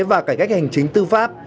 và cải cách hành chính tư pháp